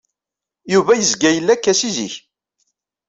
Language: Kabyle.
Yuba yezga yella akka si zik.